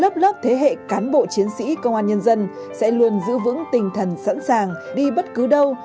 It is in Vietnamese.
các hệ cán bộ chiến sĩ công an nhân dân sẽ luôn giữ vững tình thần sẵn sàng đi bất cứ đâu